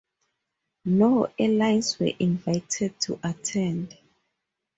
No airlines were invited to attend.